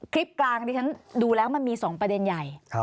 คลิปกลางที่ฉันดูแล้วมันมี๒ประเด็นใหญ่